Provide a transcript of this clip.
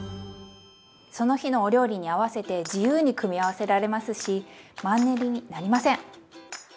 その日のお料理に合わせて自由に組み合わせられますしマンネリになりません！